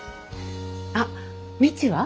あっ未知は？